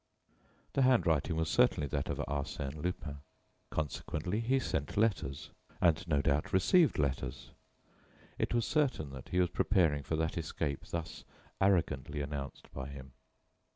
The handwriting was certainly that of Arsène Lupin. Consequently, he sent letters; and, no doubt, received letters. It was certain that he was preparing for that escape thus arrogantly announced by him.